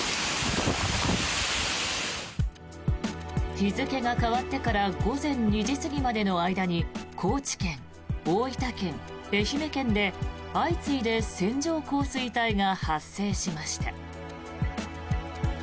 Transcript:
日付が変わってから午前２時過ぎまでの間に高知県、大分県、愛媛県で相次いで線状降水帯が発生しました。